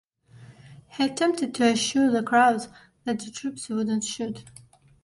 He attempted to assure the crowds that the troops would not shoot.